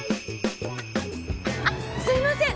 あっすいません！